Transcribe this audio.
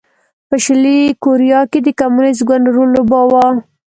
په شلي کوریا کې د کمونېست ګوند رول لوباوه.